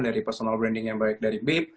dari personal branding yang baik dari bip